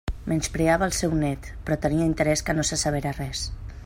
Menyspreava el seu nét, però tenia interès que no se sabera res.